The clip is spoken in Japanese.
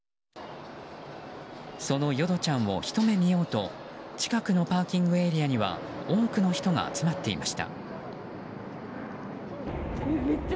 そのよどちゃんをひと目見ようと近くのパーキングエリアには多くの人が集まっていました。